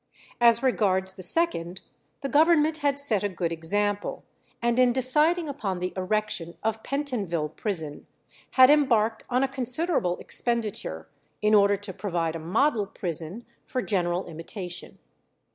As regards the second, the Government had set a good example, and in deciding upon the erection of Pentonville prison had embarked on a considerable expenditure in order to provide a model prison for general imitation.